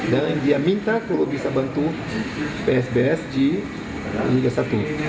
dan dia minta kalau bisa bantu psbs di liga satu